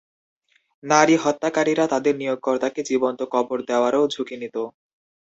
নারী হত্যাকারীরা তাদের নিয়োগকর্তাকে জীবন্ত কবর দেওয়ারও ঝুঁকি নিত।